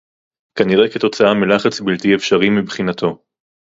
כנראה כתוצאה מלחץ בלתי אפשרי מבחינתו